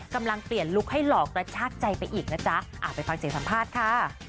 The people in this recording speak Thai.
กำลังเปลี่ยนลุคให้หลอกกระชากใจไปอีกนะจ๊ะไปฟังเสียงสัมภาษณ์ค่ะ